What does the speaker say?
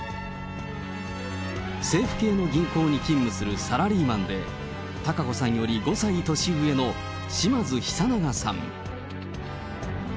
政府系の銀行に勤務するサラリーマンで、貴子さんより５歳年上の島津久永さん。